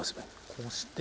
こうして。